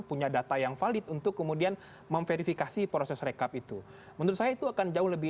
punya data yang valid untuk kemudian memverifikasi proses rekap itu menurut saya itu akan jauh lebih